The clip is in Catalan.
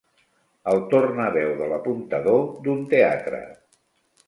El tornaveu de l'apuntador d'un teatre.